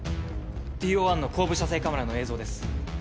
ＴＯ１の後部車載カメラの映像です